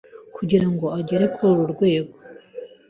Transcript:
kugira ngo agere kuri uru rwego